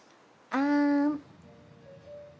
あん。